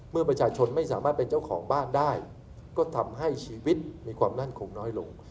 เมื่อประชาชนไม่สามารถเป็นเจ้าของบ้านได้ก็ทำให้ชีวิตมีความมั่นคงน้อยลง